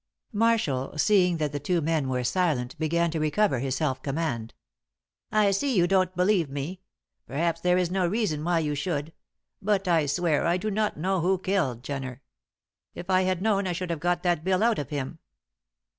Marshall, seeing that the two men were silent, began to recover his self command. "I see you don't believe me. Perhaps there is no reason why you should. But I swear I do not know who killed Jenner. If I had known I should have got that bill out of him."